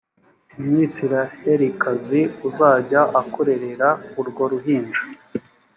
umwisirayelikazi uzajya akurerera urwo ruhinja